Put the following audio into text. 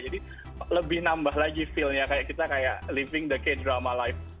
jadi lebih nambah lagi feelnya kayak kita living the k drama life